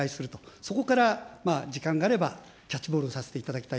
そこから時間があれば、キャッチボールをさせていただきたい。